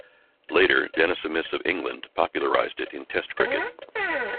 Later Dennis Amiss of England popularised it in Test cricket.